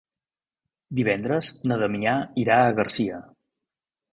Divendres na Damià irà a Garcia.